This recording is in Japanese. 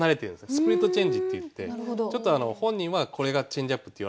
スプリットチェンジっていって本人はこれがチェンジアップって言われてるんですよね。